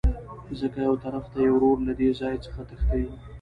ځکه يوطرف ته يې ورور له دې ځاى څخه تښى وو.